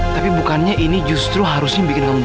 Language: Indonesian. tapi bukannya ini justru harusnya bikin kamu